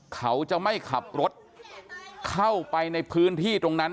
เขาจะไม่ขับรถเข้าไปในพื้นที่ตรงนั้น